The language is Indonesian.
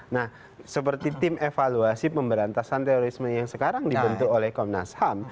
nah seperti tim evaluasi pemberantasan terorisme yang sekarang dibentuk oleh komnas ham